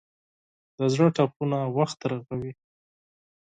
د زړه ټپونه وخت رغوي.